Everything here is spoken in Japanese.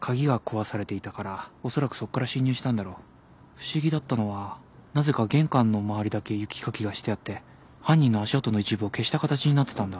不思議だったのはなぜか玄関の周りだけ雪かきがしてあって犯人の足跡の一部を消した形になってたんだ。